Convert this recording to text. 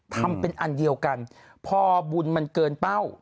ทำเป็นอันเดียวกันพอบุญมันเกินเป้า